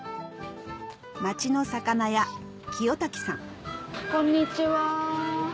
町の魚屋きよたきさんこんにちは。